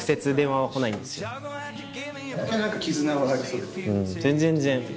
うん全然。